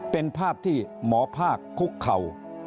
เป็นภาพที่หมอภาคคุกเข่า